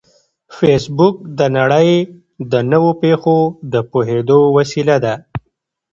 فېسبوک د نړۍ د نوو پېښو د پوهېدو وسیله ده